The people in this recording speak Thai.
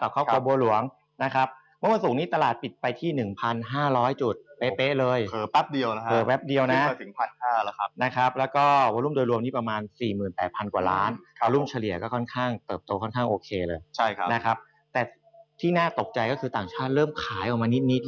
กลับมานิดแล้ว